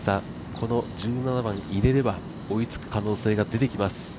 この１７番を入れれば追いつく可能性が出てきます。